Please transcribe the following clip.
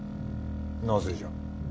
なぜじゃ？